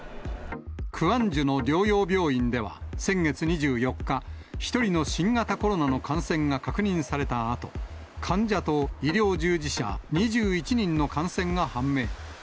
クアンジュの療養病院では、先月２４日、１人の新型コロナの感染が確認されたあと、患者と医療従事者２１人の感染が判明。